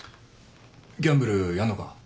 ギャンブルやんのか？